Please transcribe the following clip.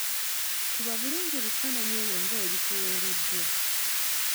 Kuba bulungi ebifaananyi ebyo nga bwe bikuweereddwa.